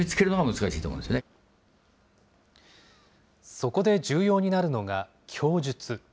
そこで重要になるのが供述。